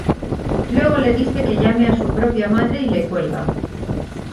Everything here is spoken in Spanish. Luego le dice que llame a su propia madre y le cuelga.